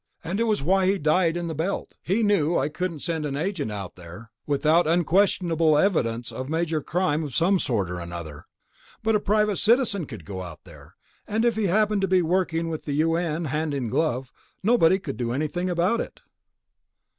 And it was why he died in the Belt. He knew I couldn't send an agent out there without unquestionable evidence of major crime of some sort or another. But a private citizen could go out there, and if he happened to be working with the U.N. hand in glove, nobody could do anything about it."